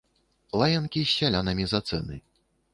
Лаянкі з сялянамі за цэны.